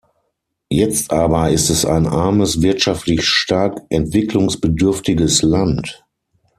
Jetzt aber ist es ein armes, wirtschaftlich stark entwicklungsbedürftiges Land.